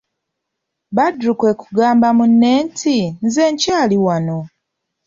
Badru kwe kugamba munne nti:"nze nkyali wanno"